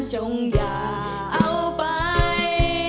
จงอย่าเอาไป